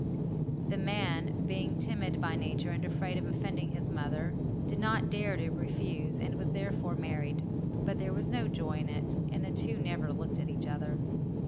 The man, being timid by nature and afraid of offending his mother, did not dare to refuse, and was therefore married; but there was no joy in it, and the two never looked at each other.